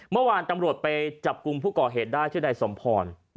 เมื่อวานตำรวจไปจับกลุ่มผู้ก่อเหตุได้ชื่อนายสมพร